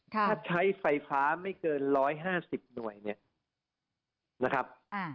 ถ้าใช้ไฟฟ้าไม่เกิน๑๕๐หน่วยเนี่ยนะครับ